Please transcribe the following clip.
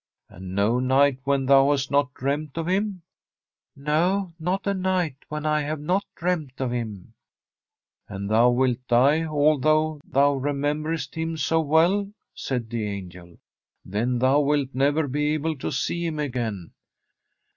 ' And no night when thou hast not dreamt of him?' ' No, not a night when I have not dreamt of him.' 'And thou wilt die, although thou remem berest him so well/ said the angel. ' Then thou wilt never be able to see him ac; ain.'